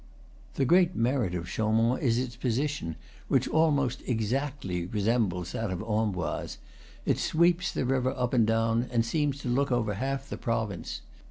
The great merit of Chaumont is its position, which almost exactly resembles that of Am boise; it sweeps the river up and down, and seems to look over half the province.